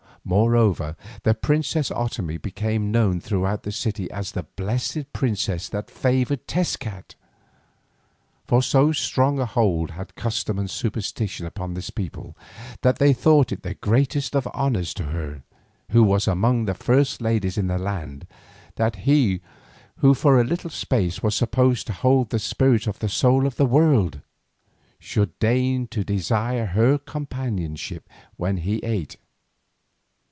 Moreover the princess Otomie became known throughout the city as "the blessed princess, the favoured of Tezcat." For so strong a hold had custom and superstition upon this people that they thought it the greatest of honours to her, who was among the first ladies in the land, that he who for a little space was supposed to hold the spirit of the soul of the world, should deign to desire her companionship when he ate.